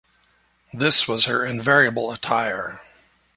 This was her invariable attire.